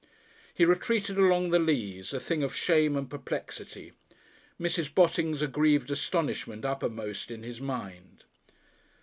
He retreated along the Leas, a thing of shame and perplexity Mrs. Botting's aggrieved astonishment uppermost in his mind....